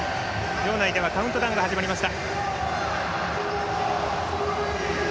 場内ではカウントダウンが始まりました。